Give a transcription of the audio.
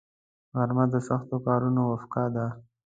غرمه د سختو کارونو وقفه ده